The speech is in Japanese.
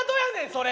それ。